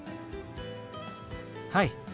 はい。